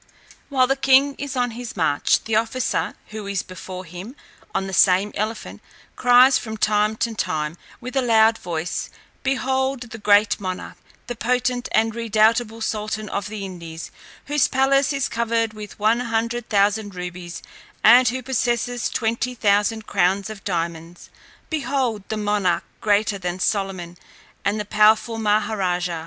"While the king is on his march, the officer, who is before him on the same elephant, cries from time to time, with a loud voice, 'Behold the great monarch, the potent and redoubtable sultan of the Indies, whose palace is covered with one hundred thousand rubies, and who possesses twenty thousand crowns of diamonds. Behold the monarch greater than Solomon, and the powerful Maha raja.'